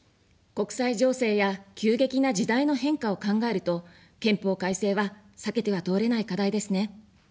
国際情勢や急激な時代の変化を考えると、憲法改正は避けては通れない課題ですね。